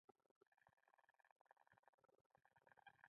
ناآشنا خلک د ګډ باور په اساس له یوه بل سره مرسته کوي.